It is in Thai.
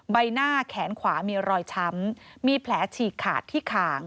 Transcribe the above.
ใบหน้าแขนขวามีรอยช้ำมีแผลฉีกขาดที่ขาง